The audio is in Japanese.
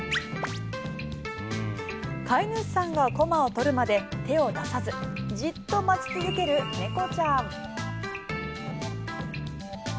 飼い主さんが駒を取るまで手を出さずじっと待ち続ける猫ちゃん。